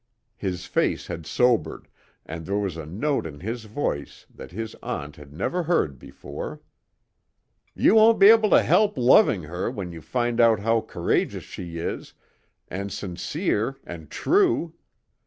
His face had sobered, and there was a note in his voice that his aunt had never heard before. "You won't be able to help loving her when you find out how courageous she is, and sincere and true!